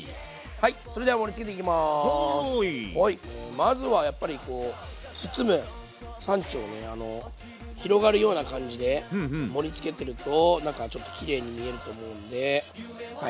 まずはやっぱりこう包むサンチュをね広がるような感じで盛りつけてるとなんかちょっときれいに見えると思うんではい。